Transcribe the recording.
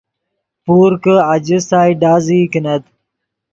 پور کہ آجستائے ڈازئی کینت